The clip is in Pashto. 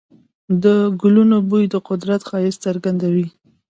د ګلونو بوی د قدرت ښایست څرګندوي.